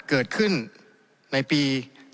เกิดขึ้นในปี๒๕๖